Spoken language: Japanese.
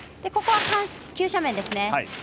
ここは急斜面ですね。